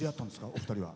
お二人は。